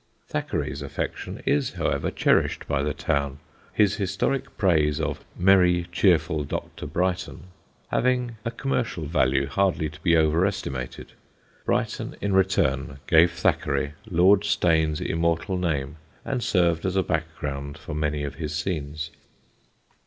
Thackeray's affection is, however, cherished by the town, his historic praise of "merry cheerful Dr. Brighton" having a commercial value hardly to be over estimated. Brighton in return gave Thackeray Lord Steyne's immortal name and served as a background for many of his scenes.